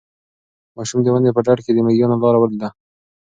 ماشوم د ونې په ډډ کې د مېږیانو لاره ولیده.